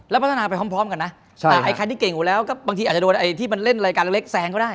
แล้วพัฒนาไปพร้อมกันนะแต่ไอ้ใครที่เก่งกว่าแล้วก็บางทีอาจจะโดนไอ้ที่มันเล่นรายการเล็กแซงก็ได้